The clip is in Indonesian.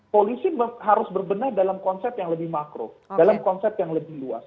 polisi harus berbenah dalam konsep yang lebih makro dalam konsep yang lebih luas